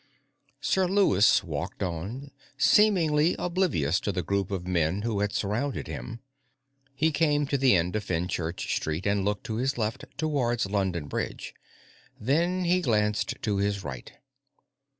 Sir Lewis walked on, seemingly oblivious to the group of men who had surrounded him. He came to the end of Fenchurch Street and looked to his left, towards London Bridge. Then he glanced to his right.